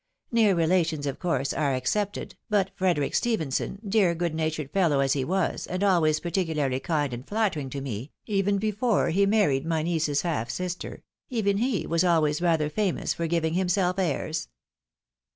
Near relations, of course, are excepted, but Frederic Stephenson, dear good natured fellow as he was, and always particularly kind and flattering to me, even before he married my niece's half sister, even he was always rather famous for giving himself airs."